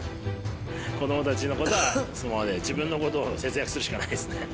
子どもたちのことはそのままで、自分のことを節約するしかないですね。